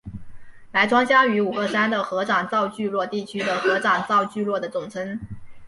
白川乡与五个山的合掌造聚落地区的合掌造聚落的总称。